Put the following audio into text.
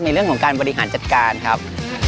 ในเรื่องของการบริหารจัดการครับ